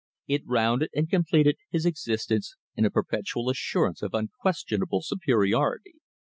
It rounded and completed his existence in a perpetual assurance of unquestionable superiority.